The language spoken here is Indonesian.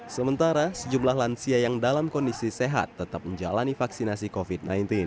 sementara sejumlah lansia yang dalam kondisi sehat tetap menjalani vaksinasi covid sembilan belas